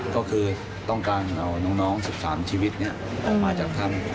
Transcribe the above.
ก็คือต้องการเอาน้องน้องสิบสามชีวิตเนี้ยออกมาจากทำ